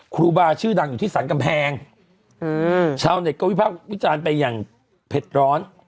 ครูบาชื่อดังอยู่ที่สรรกำแพงชาวเน็ตก็วิพากษ์วิจารณ์ไปอย่างเผ็ดร้อน